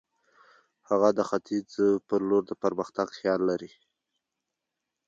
هغه د ختیځ پر لور د پرمختګ خیال لري.